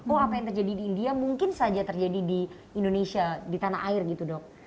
oh apa yang terjadi di india mungkin saja terjadi di indonesia di tanah air gitu dok